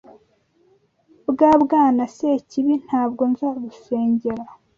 Ba Bwana Sekibi, ntabwo nzagusengera